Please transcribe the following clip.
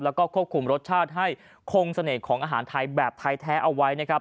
แล้วก็ควบคุมรสชาติให้คงเสน่ห์ของอาหารไทยแบบไทยแท้เอาไว้นะครับ